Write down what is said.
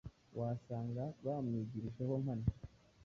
Wasanga bamwigirijeho nkana